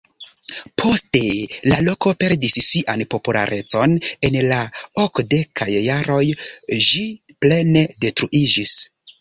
Poste la loko perdis sian popularecon, en la okdekaj jaroj ĝi plene detruiĝis.